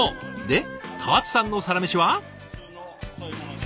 で川津さんのサラメシは？